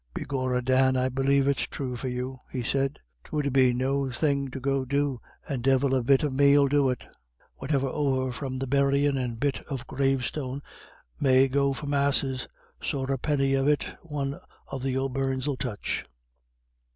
"Begorrah, Dan, I believe it's true for you," he said. "'Twould be no thing to go do, and divil a bit of me 'ill do it. Whatever's over from the buryin' and bit of a grave stone may go for Masses; sorra a penny of it a one of the O'Beirnes 'ill touch."